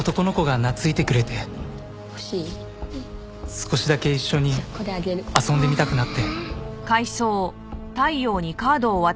少しだけ一緒に遊んでみたくなって。